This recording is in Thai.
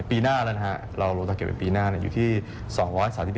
ปีหน้าแล้วนะฮะเราลงตะเกียบไปปีหน้าอยู่ที่๒๓๑